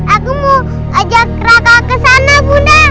aku mau ajak raka kesana bunda